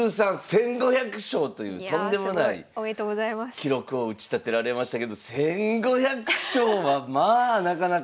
記録を打ち立てられましたけど１，５００勝はまあなかなか。